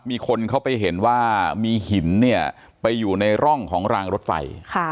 มีคนเขาไปเห็นว่ามีหินเนี่ยไปอยู่ในร่องของรางรถไฟ